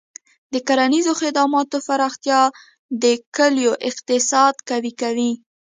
د کرنیزو خدماتو پراختیا د کلیو اقتصاد قوي کوي.